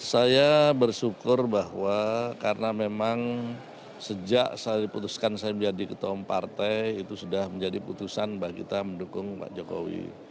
saya bersyukur bahwa karena memang sejak saya diputuskan saya menjadi ketua umum partai itu sudah menjadi putusan bahwa kita mendukung pak jokowi